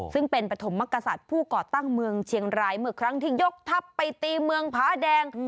ซึ่งเป็นปฐมมกษัตริย์ผู้ก่อตั้งเมืองเชียงรายเมื่อครั้งที่ยกทัพไปตีเมืองผาแดง